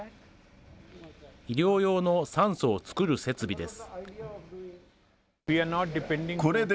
医療用の酸素を作る設備です。